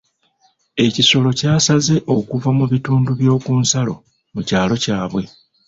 Ekisolo kyasaze okuva mu bitundu by'oku nsalo mu kyalo kyabwe.